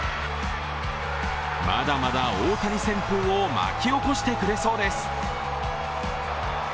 まだまだ大谷旋風を巻き起こしてくれそうです。